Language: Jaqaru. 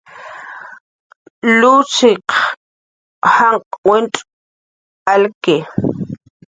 Lushiq janq' wincxw alki